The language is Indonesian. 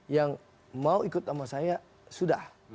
yang mau ikut sama saya sudah